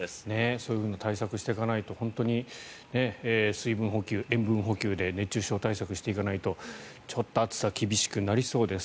そういうふうに対策していかないと水分補給、塩分補給で熱中症対策をしていかないとちょっと暑さが厳しくなりそうです。